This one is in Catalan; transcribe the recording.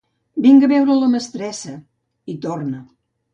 Vinc a veure la mestressa —hi torna.